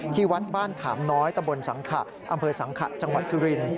ที่วัดบ้านขามน้อยตะบนสังขะอำเภอสังขะจังหวัดสุรินทร์